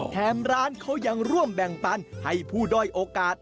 แถมร้านเขายังร่วมแบ่งปันให้ผู้ด้อยโอกาส